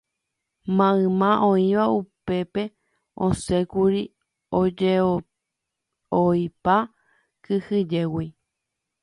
Mayma oĩva upépe osẽkuri ojeʼoipa kyhyjégui.